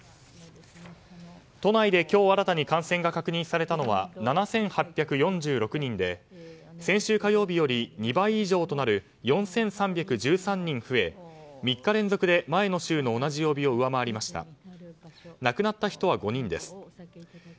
都内で今日新たに感染が確認されたのは７８４６人で先週火曜日より２倍以上となる４３１３人増え３日連続で前の週の同じ曜日を上回りました。